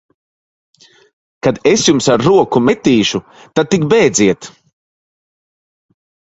Kad es jums ar roku metīšu, tad tik bēdziet!